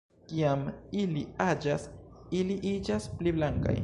Kiam ili aĝas ili iĝas pli blankaj.